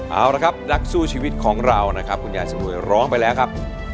เอาละครับนักสู้ชีวิตของเรานะครับคุณยายสมุยร้องไปแล้วครับ